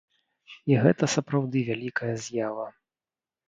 І гэта сапраўды вялікая з'ява.